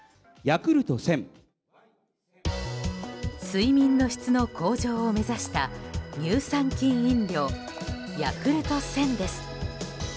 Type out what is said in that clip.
睡眠の質の向上を目指した乳酸菌飲料ヤクルト１０００です。